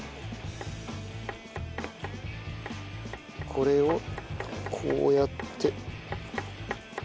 これをこうやって。